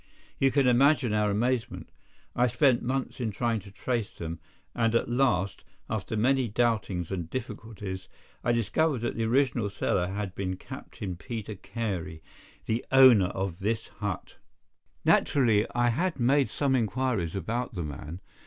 You can imagine our amazement. I spent months in trying to trace them, and at last, after many doubtings and difficulties, I discovered that the original seller had been Captain Peter Carey, the owner of this hut. "Naturally, I made some inquiries about the man.